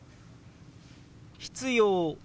「必要」。